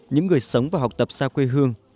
những người sống và học tập xa quê hương